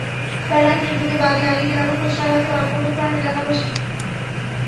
বেলা একটার দিকে বাদে আলী গ্রামে পোস্টার হাতে মানববন্ধন করেন এলাকাবাসী।